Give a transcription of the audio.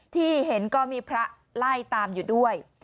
ที่เห็นก็มีพระไล่ตามอยู่ด้วย